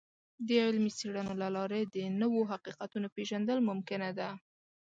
د علمي څیړنو له لارې د نوو حقیقتونو پیژندل ممکنه ده.